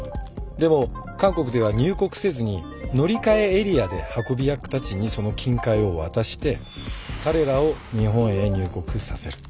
でも韓国では入国せずに乗り換えエリアで運び役たちにその金塊を渡して彼らを日本へ入国させる。